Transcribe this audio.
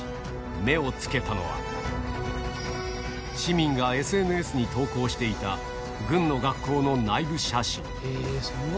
目をつけたのは、市民がＳＮＳに投稿していた軍の学校の内部写真。